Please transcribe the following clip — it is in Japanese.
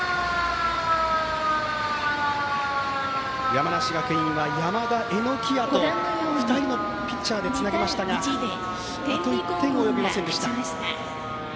山梨学院は山田、榎谷と２人のピッチャーでつなぎましたがあと１点及びませんでした。